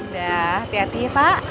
dah hati hati ya pak